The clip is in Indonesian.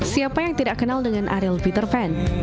siapa yang tidak kenal dengan ariel peter van